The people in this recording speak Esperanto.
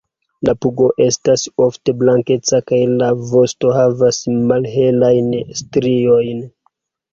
La pugo estas ofte blankeca kaj la vosto havas malhelajn striojn.